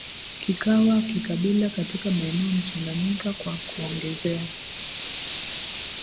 kikawa kikabila katika maeneo mchanganyika Kwa kuongezea